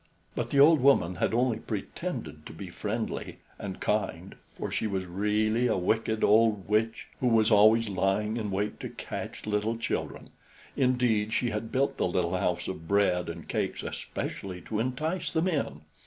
But the old woman had only pretended to be friendly and kind, for she was really a wicked old witch, who was always lying in wait to catch little children, indeed, she had built the little house of bread and cakes especially to entice them in.